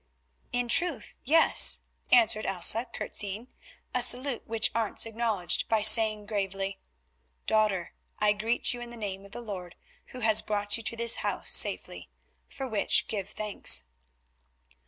"In truth, yes," answered Elsa curtseying, a salute which Arentz acknowledged by saying gravely, "Daughter, I greet you in the name of the Lord, who has brought you to this house safely, for which give thanks."